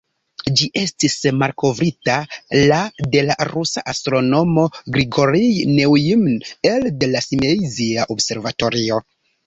Ĝi estis malkovrita la de la rusa astronomo Grigorij Neujmin elde la Simeiza observatorio.